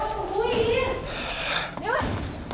jawa kamu tuh jangan